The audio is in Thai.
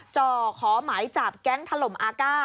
จ่อขอหมายจับแก๊งถล่มอาก้า